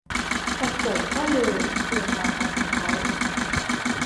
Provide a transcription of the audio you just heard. ปรากฏว่าลืม ตื่นมาตอนเช้า